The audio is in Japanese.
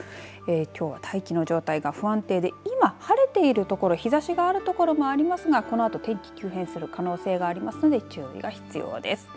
きょうは大気の状態が不安定で今晴れている所、日ざしが出ている所もありますがこのあと、天気急変する可能性がありますので、注意が必要です。